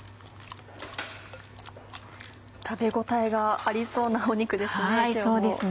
食べ応えがありそうな肉ですね。